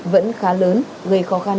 vẫn khá lớn gây khó khăn